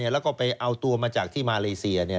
แล้วก็ไปเอาตัวมาจากที่มาเลเซีย